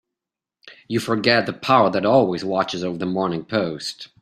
You forget the power that always watches over the Morning Post.